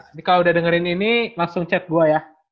ini kalau udah dengerin ini langsung chat gue ya